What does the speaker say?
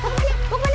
buk mana buk mana